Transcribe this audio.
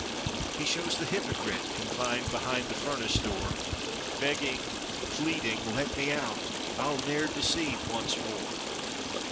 He shows the hypocrite confined behind the furnace door Begging, pleading—"Let me out I'll ne'er deceive once more."